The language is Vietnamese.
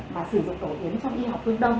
mà sử dụng tổ yến trong y học phương đông